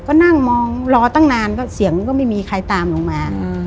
ก็นั่งมองรอตั้งนานก็เสียงมันก็ไม่มีใครตามลงมา